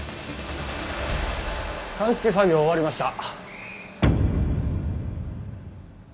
鑑識作業終わりました。